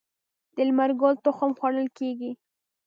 د لمر ګل تخم خوړل کیږي.